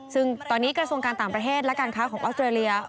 ซึ่งตอนนี้กระทรวงการต่างประเทศและการค้าของออสเตรเลีย